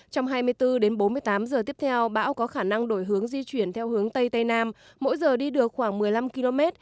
trong hai mươi bốn đến bốn mươi tám giờ tiếp theo bão có khả năng đổi hướng di chuyển theo hướng tây tây nam mỗi giờ đi được khoảng một mươi năm km